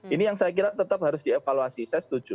ini yang saya kira tetap harus dievaluasi saya setuju